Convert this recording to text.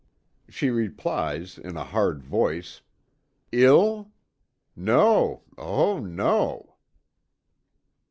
She replies in a hard voice: "Ill? No, oh no!"